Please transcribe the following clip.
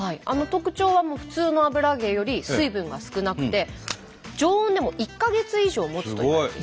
特徴は普通の油揚げより水分が少なくて常温でも１か月以上もつといわれています。